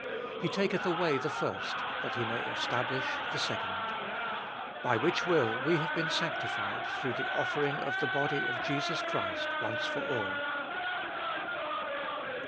He taketh away the first, that he may establish the second. 10. By which will we have been sanctified through the offering of the body of Jesus Christ once for all.